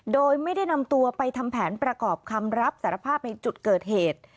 โดยไม่ได้นำตัวไปทำแผนประกอบคำรับสารภาพในจุดเกิดเหตุ